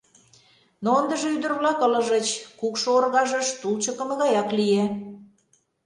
Но ындыже ӱдыр-влак ылыжыч, кукшо оргажыш тул чыкыме гаяк лие.